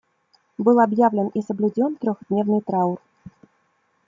Был объявлен и соблюден трехдневный траур.